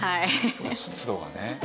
湿度がね。